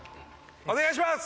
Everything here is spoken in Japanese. お願いします